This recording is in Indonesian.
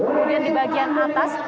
kemudian di bagian atas